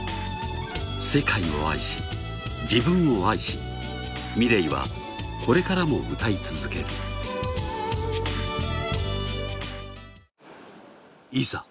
世界を愛し自分を愛しｍｉｌｅｔはこれからも歌い続けるいざ